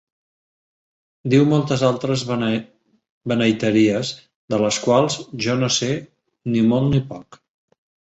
Diu moltes altres beneiterïes de les quals jo no sé ni molt ni poc.